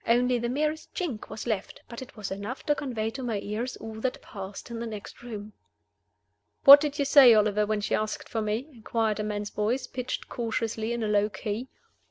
Only the merest chink was left; but it was enough to convey to my ears all that passed in the next room. "What did you say, Oliver, when she asked for me?" inquired a man's voice, pitched cautiously in a low key.